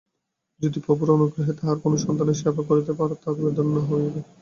যদি প্রভুর অনুগ্রহে তাঁহার কোন সন্তানের সেবা করিতে পার, তবে ধন্য হইবে।